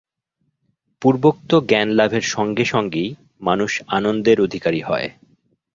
পূর্বোক্ত জ্ঞানলাভের সঙ্গে সঙ্গেই মানুষ আনন্দের অধিকারী হয়।